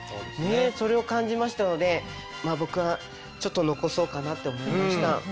それを感じましたので僕はちょっと残そうかなって思いました。